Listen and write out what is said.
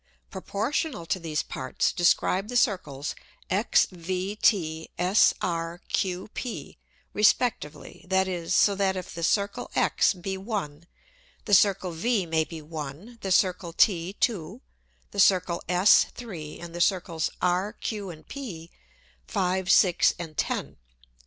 Proportional to these parts describe the Circles x, v, t, s, r, q, p, respectively, that is, so that if the Circle x be one, the Circle v may be one, the Circle t two, the Circle s three, and the Circles r, q and p, five, six and ten.